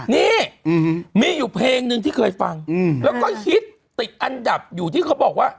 นี่มีอยู่เพลงหนึ่งที่เคยฟังแล้วก็ฮิตติดอันดับอยู่ที่เขาบอกว่า